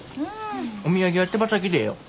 お土産は手羽先でええよ。